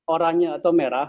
oranye atau merah